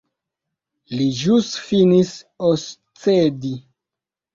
Li ĵus finis oscedi.